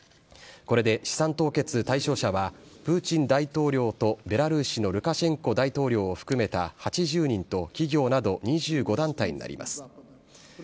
これで資産凍結対象者はプーチン大統領とベラルーシのルカシェンコ大統領を含めた８０人と企業など２５団体になります。